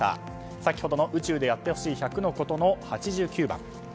先ほどの宇宙でやってほしい１００のことの８９番。